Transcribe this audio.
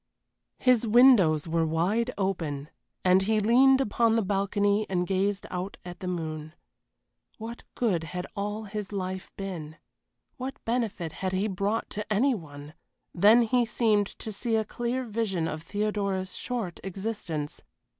His windows were wide open, and he leaned upon the balcony and gazed out at the moon. What good had all his life been? What benefit had he brought to any one? Then he seemed to see a clear vision of Theodora's short existence.